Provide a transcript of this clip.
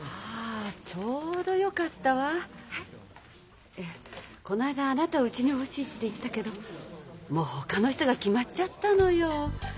いえこの間あなたをうちに欲しいって言ったけどもうほかの人が決まっちゃったのよ。